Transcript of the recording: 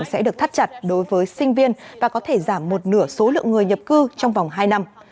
các quy định sẽ được thắt chặt đối với sinh viên và có thể giảm một nửa số lượng người nhập cư trong vòng hai năm